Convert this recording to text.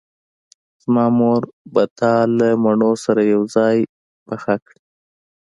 زما مور به تا له مڼو سره یوځای پاخه کړي